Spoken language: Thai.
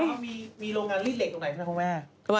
เดี๋ยวก่อนมีโรงงานรีดเหล็กตรงไหนครับพ่อแม่